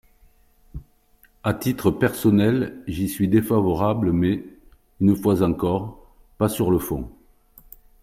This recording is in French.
À titre personnel, j’y suis défavorable mais, une fois encore, pas sur le fond.